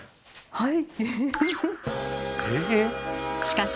はい。